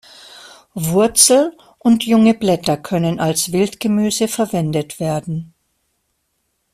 Wurzel und junge Blätter können als Wildgemüse verwendet werden.